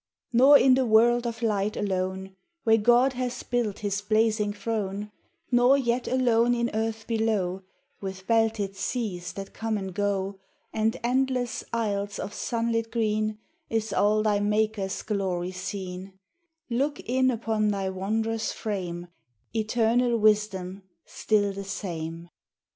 Nor in the world of light alone, Where God has built his blazing throne, Nor yet alone in earth below, With belted seas that come and go, And endless isles of sunlit green, Is all thy Maker's glory seen: Look in upon thy wondrous frame, Eternal wisdom still the same!